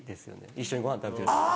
一緒にごはん食べてる時。